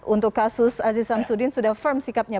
untuk kasus aziz samsudin sudah firm sikapnya